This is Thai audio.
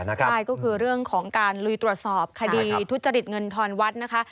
ใช่ก็คือเรื่องของการลุยตรวจสอบคดีทุจริตเงินทอนวัดนะคะ